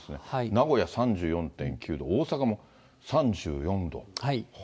名古屋３４．９度、大阪も３４度。